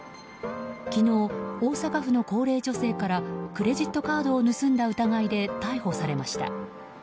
昨日、大阪府の高齢女性からクレジットカードを盗んだ疑いで逮捕されました。